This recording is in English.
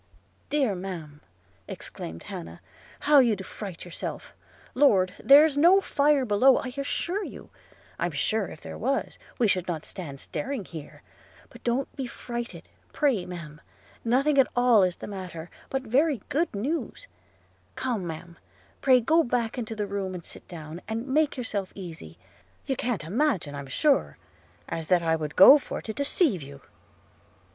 'Dear ma'am,' exclaimed Hannah, 'how you do fright yourself! – Lord! there's no fire below, I assure you; I'm sure if there was, we should not stand staring here; but don't be frightened, pray, ma'am! nothing at all is the matter, but very good news – Come, ma'am; pray go back into the room and sit down, and make yourself easy; you can't imagine, I'm sure, as that I would go for to deceive you.'